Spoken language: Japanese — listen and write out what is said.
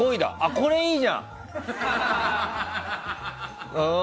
これいいじゃん！